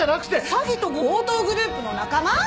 詐欺と強盗グループの仲間？